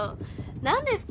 何ですか？